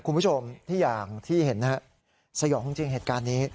คุณผู้ชมที่อย่างที่เห็นนะฮะสยองจริงเหตุการณ์นี้